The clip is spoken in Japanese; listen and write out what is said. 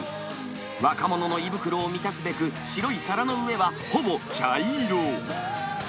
若者の胃袋を満たすべく、白い皿の上はほぼ茶色。